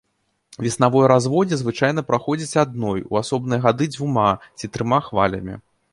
Веснавое разводдзе звычайна праходзіць адной, у асобныя гады дзвюма ці трыма хвалямі.